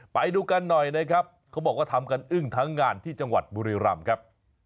ไปดูกันหน่อยนะครับเขาบอกว่าทำกันอึ้งทั้งงานที่จังหวัดบุรีรำครับ